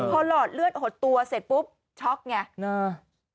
พอหลอดเลือดหดตัวเสร็จปุ๊บช็อกไงเออ